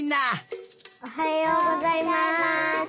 おはようございます！